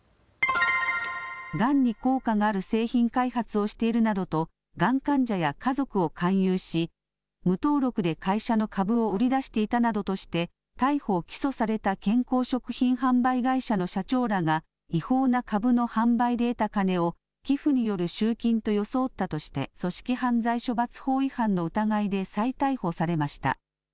がんに効果がある製品開発をしているなどとがん患者や家族を勧誘し無登録で会社の株を売り出していたなどとして逮捕・起訴された健康食品販売会社の社長らが違法な株の販売で得た金を寄付による集金と装ったとして組織犯罪処罰法違反の疑いで再逮捕されました。